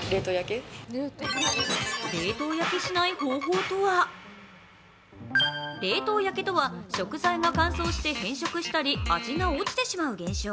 まずは冷凍焼けとは、食材が乾燥して変色したり味が落ちてしまう現象。